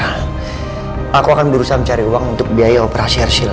aku akan berusaha mencari uang untuk biaya operasi arshila